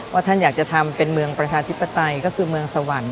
ท่านอยากจะทำเป็นเมืองประชาธิปไตยก็คือเมืองสวรรค์